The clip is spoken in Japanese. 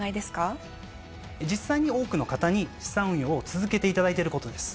実際に多くの方に資産運用を続けていただいてることです。